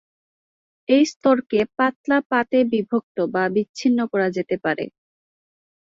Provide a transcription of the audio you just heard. এই স্তরকে পাতলা পাতে বিভক্ত বা বিচ্ছিন্ন করা যেতে পারে।